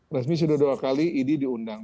resmi sudah dua kali idi diundang